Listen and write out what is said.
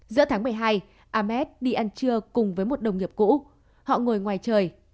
giữa tháng một mươi hai ames đi ăn trưa cùng với một đồng nghiệp cũ họ ngồi ngoài trời